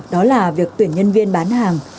đó là việc tuyển nhân viên bán hàng